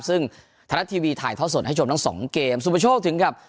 ซึ่งธนทรัพย์ทีวีถ่ายท่อส่วนให้จบทั้งสองเกมสูงประโยชน์ถึงกับ